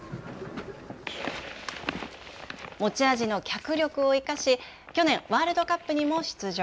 持ち味の脚力を生かし去年ワールドカップにも出場。